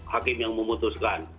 hakim yang memutuskan